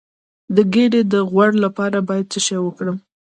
د ګیډې د غوړ لپاره باید څه وکړم؟